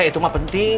eh itu enggak penting